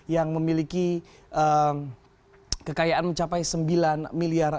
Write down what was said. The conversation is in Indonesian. yang memiliki kekayaan mencapai sembilan miliar